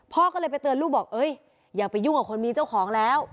พ่อก็เลยไปเตือนลูกบอกเอ้ยอย่าไปยุ่งกับคนมีเจ้าของแล้ว